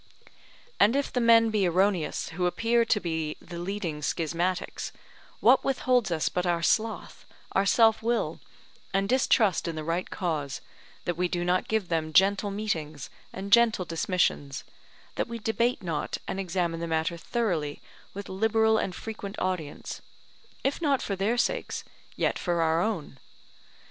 And if the men be erroneous who appear to be the leading schismatics, what withholds us but our sloth, our self will, and distrust in the right cause, that we do not give them gentle meetings and gentle dismissions, that we debate not and examine the matter thoroughly with liberal and frequent audience; if not for their sakes, yet for our own?